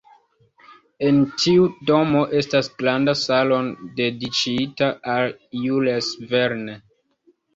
En tiu domo estas granda salono dediĉita al Jules Verne.